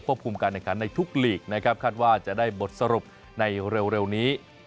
ควบคุมการรายการในทุกหลีกนะครับคาดว่าจะได้บทสรุปในเร็วเร็วนี้